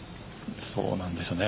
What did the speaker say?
そうなんですよね。